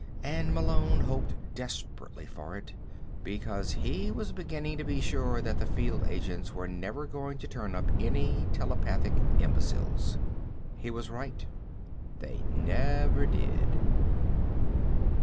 And Malone hoped desperately for it, because he was beginning to be sure that the field agents were never going to turn up any telepathic imbeciles. He was right. They never did.